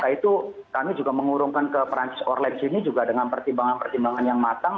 nah itu kami juga mengurungkan ke perancis orlands ini juga dengan pertimbangan pertimbangan yang matang